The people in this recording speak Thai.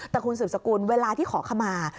แต่คุณสืบสกุลเวลาที่ขอขมา